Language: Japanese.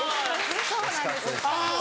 そうなんです。